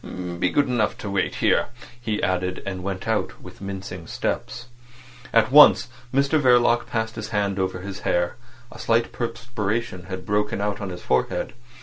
Be good enough to wait here," he added, and went out with mincing steps. At once Mr Verloc passed his hand over his hair. A slight perspiration had broken out on his forehead.